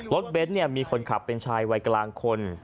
เบ้นมีคนขับเป็นชายวัยกลางคน